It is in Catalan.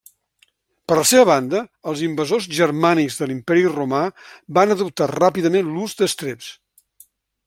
Per la seva banda, els invasors germànics de l'Imperi Romà van adoptar ràpidament l'ús d'estreps.